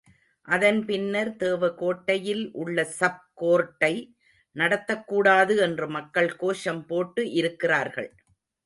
அதன் பின்னர் தேவகோட்டையில் உள்ள சப் கோர்ட்டை நடத்தக்கூடாது என்று மக்கள் கோஷம் போட்டு இருக்கிறார்கள்.